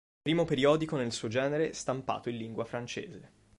Primo periodico nel suo genere stampato in lingua francese.